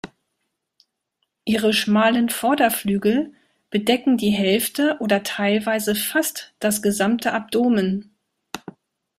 Ihre schmalen Vorderflügel bedecken die Hälfte oder teilweise fast das gesamte Abdomen.